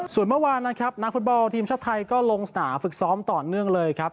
ส่วนเมื่อวานนะครับนักฟุตบอลทีมชาติไทยก็ลงสนามฝึกซ้อมต่อเนื่องเลยครับ